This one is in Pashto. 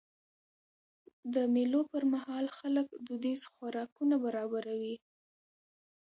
د مېلو پر مهال خلک دودیز خوراکونه برابروي.